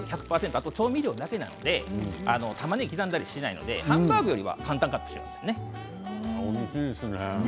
あと調味料だけなのでたまねぎを刻んだりはしないのでハンバーグより簡単かと思いますね。